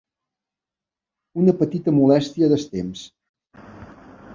Una petita molèstia dels temps